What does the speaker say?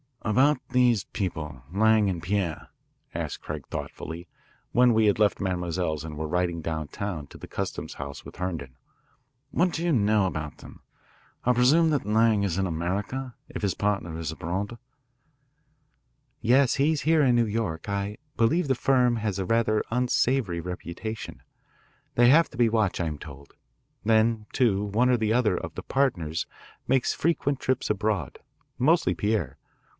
"About these people, Lang & Pierre," asked Craig thoughtfully when we had left Mademoiselle's and were riding downtown to the customs house with Herndon. "What do you know about them? I presume that Lang is in America, if his partner is abroad." "Yes, he is here in New York. I believe the firm has a rather unsavoury reputation; they have to be watched, I am told. Then, too, one or the other of the partners makes frequent trips abroad, mostly Pierre.